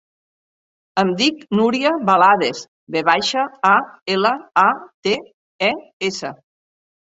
Em dic Núria Valades: ve baixa, a, ela, a, de, e, essa.